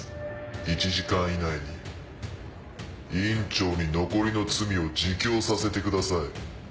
１時間以内に院長に残りの罪を自供させてください。